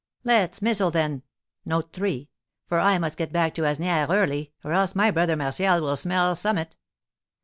"Let's mizzle, then; for I must get back to Asnières early, or else my brother Martial will smell summut."